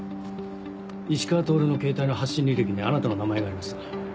石川透のケータイの発信履歴にあなたの名前がありました。